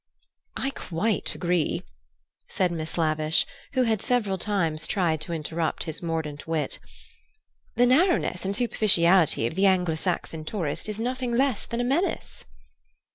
"I quite agree," said Miss Lavish, who had several times tried to interrupt his mordant wit. "The narrowness and superficiality of the Anglo Saxon tourist is nothing less than a menace."